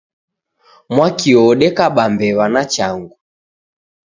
Mwakio odekaba mbewa na changu.